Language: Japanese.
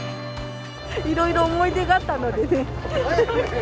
いろいろ思い出があったのでね。